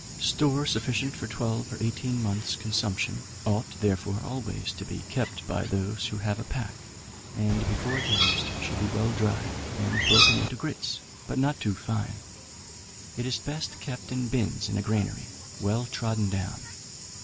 Store sufficient for twelve or eighteen months' consumption ought, therefore, always to be kept by those who have a pack; and before used should be well dried, and broken into grits, but not too fine. It is best kept in bins in a granary, well trodden down.